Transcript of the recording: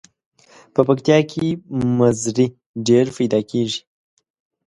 په پکتیا کې مزري ډیر پیداکیږي.